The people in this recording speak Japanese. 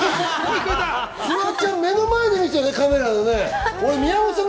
フワちゃん、目の前で見てたね、カメラの。